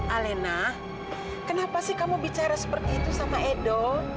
alena kenapa sih kamu bicara seperti itu sama edo